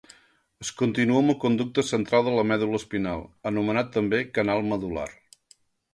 Es continua amb el conducte central de la medul·la espinal, anomenat també canal medul·lar.